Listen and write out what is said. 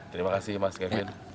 terima kasih mas kevin